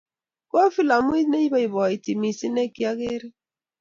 ko filamuit ne ibaibaiti mising ne kiya gere